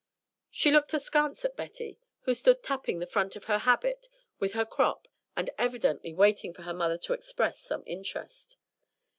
She looked askance at Betty, who stood tapping the front of her habit with her crop and evidently waiting for her mother to express some interest.